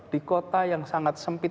di kota yang sangat sempit